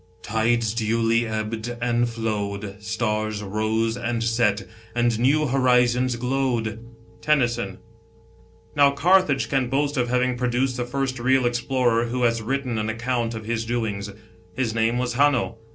" Tides duly ebbed and flowed, Stars rose and set, And new horizons glowed." TENNYSON. Now Carthage can boast of having produced the first real explorer who has written an account of his doings. His name was Hamio.